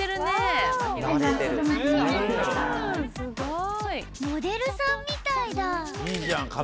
すごい！